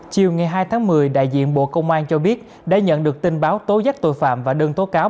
chiều ngày hai tháng một mươi đại diện bộ công an cho biết đã nhận được tin báo tố giác tội phạm và đơn tố cáo